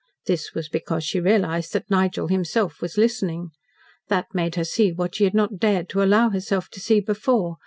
This was because she realised that Nigel himself was listening. That made her see what she had not dared to allow herself to see before.